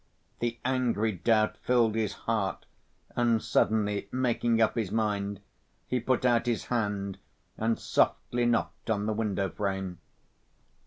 The angry doubt filled his heart, and suddenly, making up his mind, he put out his hand and softly knocked on the window frame.